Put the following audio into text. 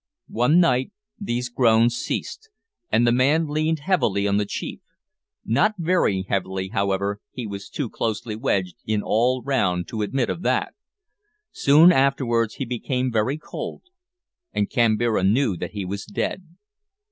One night these groans ceased, and the man leaned heavily on the chief not very heavily, however, he was too closely wedged in all round to admit of that. Soon afterwards he became very cold, and Kambira knew that he was dead.